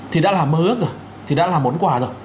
thì đã là mơ ước rồi thì đã là món quà rồi